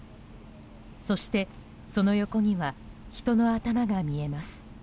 そして、その横には人の頭が見えます。